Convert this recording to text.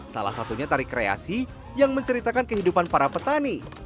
salah satunya tari kreasi yang menceritakan kehidupan para petani